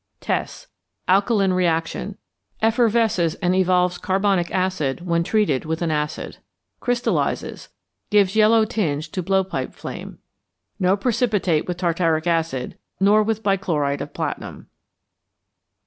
Tests. Alkaline reaction, effervesces and evolves carbonic acid when treated with an acid; crystallizes, gives yellow tinge to blowpipe flame. No precipitate with tartaric acid, nor with bichloride of platinum.